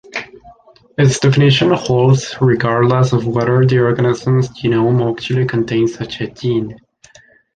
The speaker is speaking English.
Its definition holds regardless of whether the organism's genome actually contains such a gene.